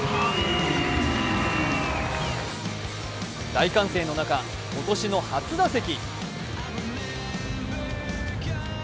大歓声の中、今年の初打席。